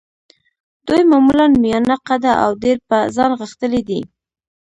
دوی معمولاً میانه قده او ډېر په ځان غښتلي دي.